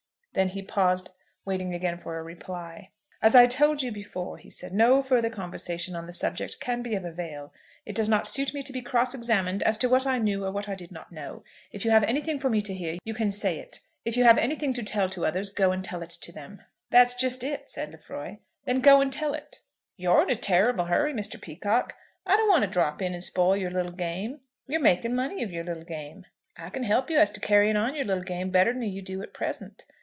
Then he paused, waiting again for a reply. "As I told you before," he said, "no further conversation on the subject can be of avail. It does not suit me to be cross examined as to what I knew or what I did not know. If you have anything for me to hear, you can say it. If you have anything to tell to others, go and tell it to them." "That's just it," said Lefroy. "Then go and tell it." "You're in a terrible hurry, Mister Peacocke. I don't want to drop in and spoil your little game. You're making money of your little game. I can help you as to carrying on your little game, better than you do at present.